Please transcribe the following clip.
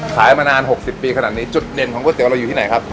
มานาน๖๐ปีขนาดนี้จุดเด่นของก๋วเตี๋เราอยู่ที่ไหนครับ